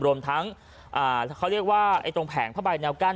รวมทั้งเขาเรียกว่าตรงแผงผ้าใบแนวกั้น